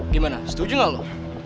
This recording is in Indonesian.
gimana setuju ga lu